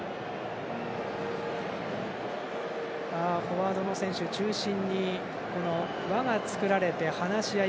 フォワードの選手中心に輪が作られて話し合い。